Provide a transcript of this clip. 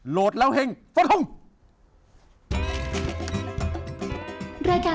โหลดแล้วเฮ่งสวัสดีครับ